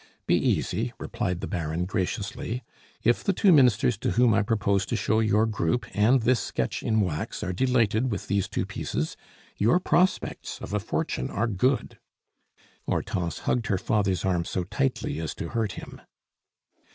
"Be easy," replied the Baron graciously. "If the two ministers to whom I propose to show your group and this sketch in wax are delighted with these two pieces, your prospects of a fortune are good." Hortense hugged her father's arm so tightly as to hurt him.